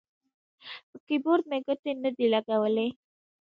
پر کیبورډ مې ګوتې نه دي لګولي